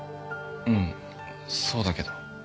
うんそうだけど。